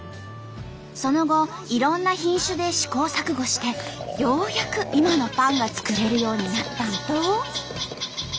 その後いろんな品種で試行錯誤してようやく今のパンが作れるようになったんと！